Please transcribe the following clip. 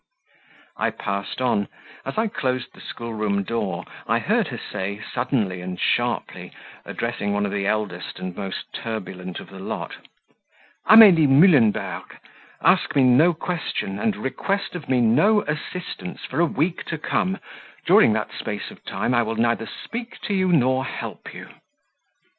I passed on; as I closed the school room door, I heard her say, suddenly and sharply, addressing one of the eldest and most turbulent of the lot "Amelie Mullenberg, ask me no question, and request of me no assistance, for a week to come; during that space of time I will neither speak to you nor help you."